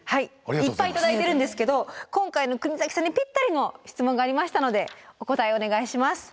いっぱい頂いてるんですけど今回の国崎さんにぴったりの質問がありましたのでお答えをお願いします。